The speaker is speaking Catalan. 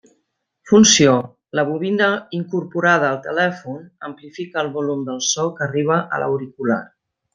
Funció: la bobina incorporada al telèfon amplifica el volum del so que arriba a l'auricular.